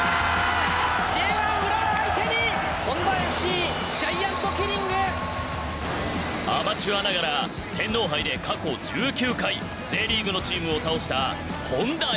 Ｊ１浦和相手にアマチュアながら天皇杯で過去１９回Ｊリーグのチームを倒したホンダＦＣ。